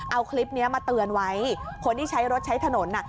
เอาคลิปนี้มาเตือนไว้คนที่ใช้รถใช้ถนน